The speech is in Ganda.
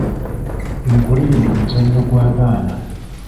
Nkulimbye muzannyo gw’abaana.